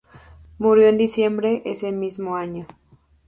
Murió en diciembre, ese mismo año.